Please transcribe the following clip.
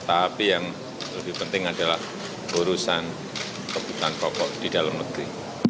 tapi yang lebih penting adalah urusan kebutuhan pokok di dalam negeri